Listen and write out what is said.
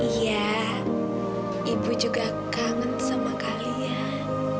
iya ibu juga kangen sama kalian